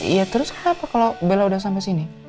iya terus kenapa kalau bella udah sampai sini